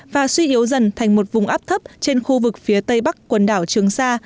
và suy yếu dần thành một vùng áp thấp trên khu vực phía tây bắc quần đảo trường sa